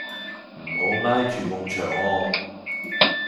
唔好挨住埲牆啊